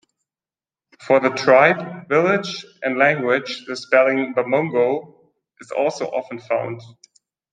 For the tribe, village and language the spelling "Bamungo" is also often found.